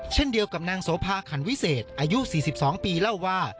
เช่นเดียวกับนางโสภาขันวิเศษอายุ๔๒ปีเล่าว่า